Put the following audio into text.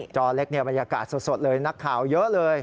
จอเล็กบรรยากาศสดเลยนักข่าวเยอะเลย